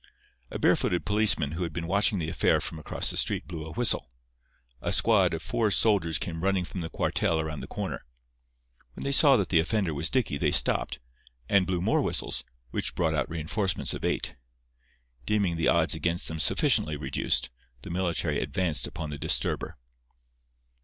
A barefooted policeman who had been watching the affair from across the street blew a whistle. A squad of four soldiers came running from the cuartel around the corner. When they saw that the offender was Dicky, they stopped, and blew more whistles, which brought out reënforcements of eight. Deeming the odds against them sufficiently reduced, the military advanced upon the disturber.